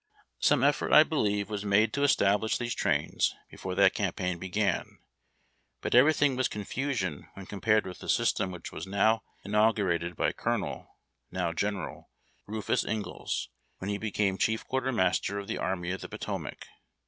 Some effort, I believe, was made to establish these trains before that campaign began, but everything was confusion when compared with the system which was now inaugurated by Colonel (now General) Riifus Ingalls, when he became Chief Quartermaster of the Army of the Potomac.